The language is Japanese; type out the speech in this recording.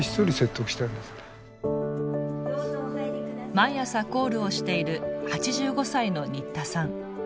毎朝コールをしている８５歳の新田さん。